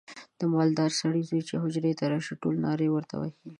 د مالداره سړي زوی چې حجرې ته راشي ټول نارې ورته وهي.